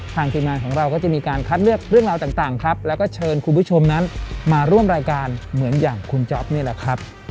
ทีมงานของเราก็จะมีการคัดเลือกเรื่องราวต่างครับแล้วก็เชิญคุณผู้ชมนั้นมาร่วมรายการเหมือนอย่างคุณจ๊อปนี่แหละครับ